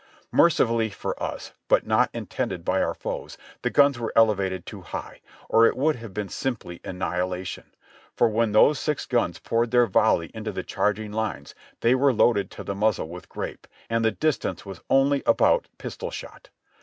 Mercifully for us, but not intended by our foes, the guns were elevated too high, or it would have been simply annihilation; for when those six guns poured their volley into the charging lines they were loaded to the muzzle with grape, and the distance was only about pistol shot.